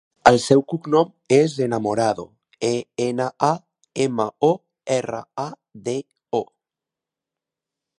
El seu cognom és Enamorado: e, ena, a, ema, o, erra, a, de, o.